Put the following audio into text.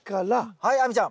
はい亜美ちゃん！